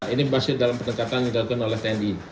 ini pasti dalam pertengkatan yang dilakukan oleh tni